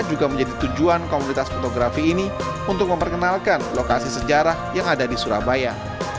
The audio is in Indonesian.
juga menjadi tujuan komunitas fotografi ini untuk memperkenalkan lokasi sejarah yang ada di surabaya